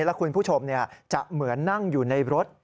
แล้วคุณผู้ชมจะเหมือนนั่งอยู่ในรถ